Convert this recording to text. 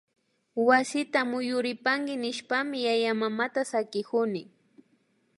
Wasita muyuripanki nishpami yayamamata sakikuni